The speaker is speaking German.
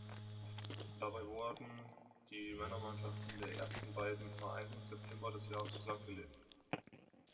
Dabei wurden die Männermannschaften der ersten beiden Vereine im September des Jahres zusammengelegt.